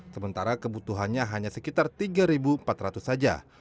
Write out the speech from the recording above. sementara kebutuhannya hanya sekitar tiga empat ratus saja